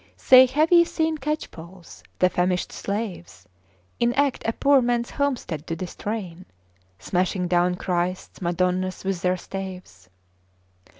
Say, have ye seen catchpolls, the famished slaves, In act a poor man's homestead to distrain, Smashing down Christs, Madonnas, with their staves?